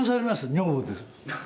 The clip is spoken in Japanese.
女房です。